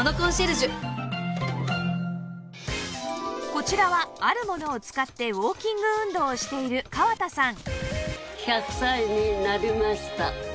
こちらはあるものを使ってウォーキング運動をしている川田さん